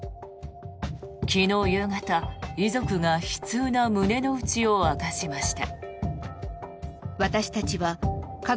昨日夕方、遺族が悲痛な胸の内を明かしました。